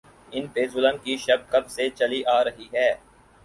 ان پہ ظلم کی شب کب سے چلی آ رہی ہے۔